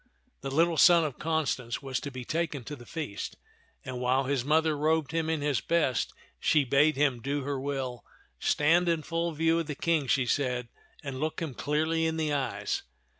The little son of Constance was to be taken to the feast, and while his mother robed him in his best, she bade him do her will. " Stand in full view of the King," she said, " and look him clearly in the eyes.